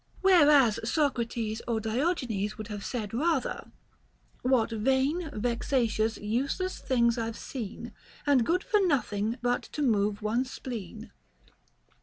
* Whereas Socrates or Diogenes would have said rather :— What vain, vexatious, useless things I've seen, And good for nothing but to move one's spleen.